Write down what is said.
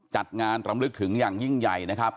จัดงานรำลึกถึงอย่างยิ่งใหญ่นะครับ